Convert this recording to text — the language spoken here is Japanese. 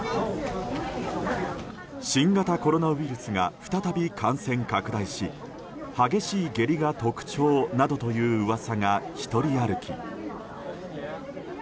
新型コロナウイルスが再び感染拡大し激しい下痢が特徴などという噂が独り歩き。